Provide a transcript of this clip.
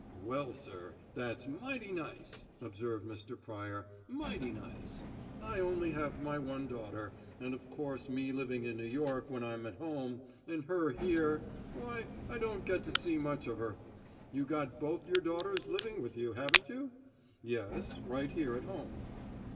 "Well, sir, that's mighty nice," observed Mr. Pryor; "mighty nice! I only have my one daughter, and of course me living in New York when I'm at home, and her here, why, I don't get to see much of her. You got both your daughters living with you, haven't you?" "Yes, right here at home."